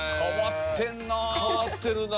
変わってんな。